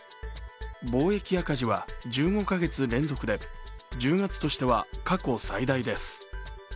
貿易赤字は１５か月連続で、１０月としては過去最大です。